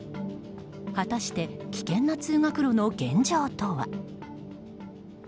果たして危険な通学路の現状とは。